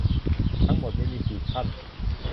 ทั้งหมดนี้มีสี่ขั้น